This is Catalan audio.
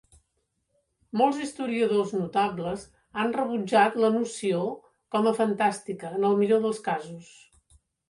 Molts historiadors notables han rebutjat la noció com a fantàstica en el millor dels casos.